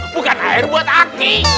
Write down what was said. bukan air buat aki